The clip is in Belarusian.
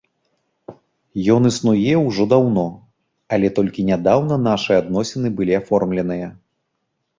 Ён існуе ўжо даўно, але толькі нядаўна нашы адносіны былі аформленыя.